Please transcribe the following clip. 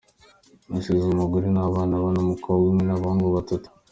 Asize umugore n’abana bane, umukobwa umwe n’abahungu batatu.